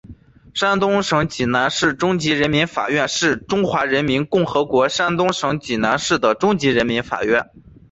山东省济南市中级人民法院是中华人民共和国山东省济南市的中级人民法院。